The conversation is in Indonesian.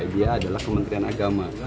dia adalah kementerian agama